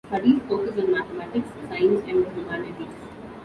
Studies focus on mathematics, science, and the humanities.